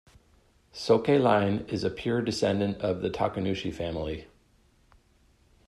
Soke line is a pure descendant of the Takenouchi family.